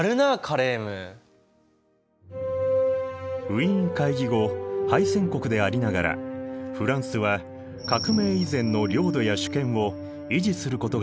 ウィーン会議後敗戦国でありながらフランスは革命以前の領土や主権を維持することができた。